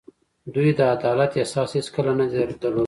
دوی د عدالت احساس هېڅکله نه دی درلودلی.